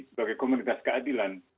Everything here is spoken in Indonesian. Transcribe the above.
sebagai komunitas keadilan